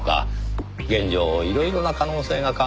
いろいろな可能性が考えられるんです。